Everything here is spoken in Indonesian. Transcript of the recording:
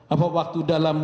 atau waktu dalam